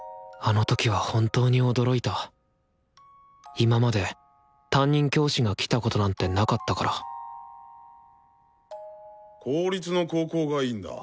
今まで担任教師が来たことなんてなかったから公立の高校がいいんだ？